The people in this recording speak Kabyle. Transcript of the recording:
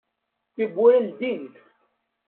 Tiwwura ldint.